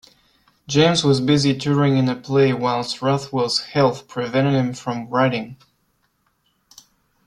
James was busy touring in a play whilst Rothwell's health prevented him from writing.